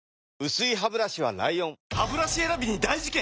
薄いハブラシは ＬＩＯＮハブラシ選びに大事件！